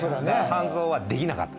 半蔵はできなかった。